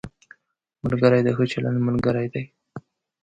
ملګری د ښه چلند ملګری دی